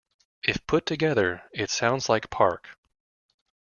If put together, it sounds like park.